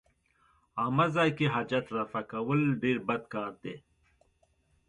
عامه ځای کې حاجت رفع کول ډېر بد کار دی.